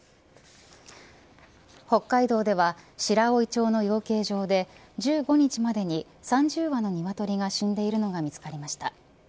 北海道では白老町の養鶏場で１５日までに３０羽のニワトリが死んでいるのが見つかりました。